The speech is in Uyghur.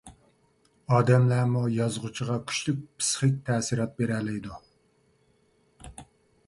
ئادەملەرمۇ يازغۇچىغا كۈچلۈك پىسخىك تەسىرات بېرەلەيدۇ.